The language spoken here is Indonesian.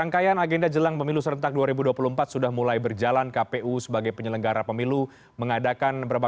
kpu sertak dua ribu dua puluh empat